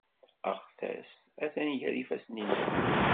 Aɣtas atan gar yifassen-nnem.